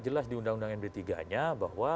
jelas di undang undang md tiga nya bahwa